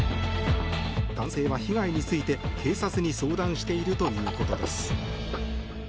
男性は被害について警察に相談しているということです。